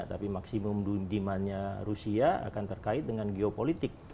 tapi maksimum demandnya rusia akan terkait dengan geopolitik